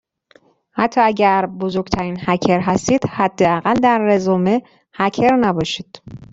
حتی اگر بزرگترین هکر هستید حداقل در رزومه هکر نباشید.